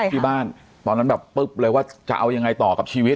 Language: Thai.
ที่บ้านตอนนั้นแบบปุ๊บเลยว่าจะเอายังไงต่อกับชีวิต